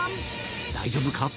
大丈夫か？